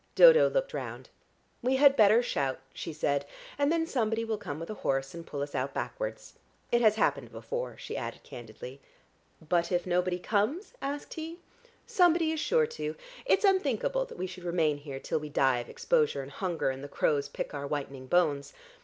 Dodo looked round. "We had better shout," she said. "And then somebody will come with a horse and pull us out backwards. It has happened before," she added candidly. "But if nobody comes?" asked he. "Somebody is sure to. It's unthinkable that we should remain here till we die of exposure and hunger, and the crows pick our whitening bones.